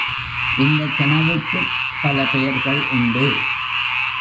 இந்தக் கனவுக்குப் பல பெயர்கள் உண்டு.